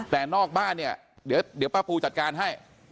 แต่นอกบ้านเนี่ยเดี๋ยวป้าปูจัดการให้